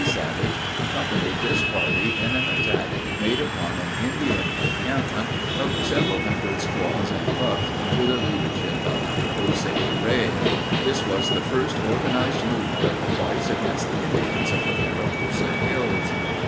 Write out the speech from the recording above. Savage accompanied this party in an attack made upon an Indian encampment of several hundred squaws and bucks under the leadership of José Rey. This was the first organized movement of the whites against the Indians of the Mariposa Hills.